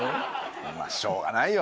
まぁしょうがないよ。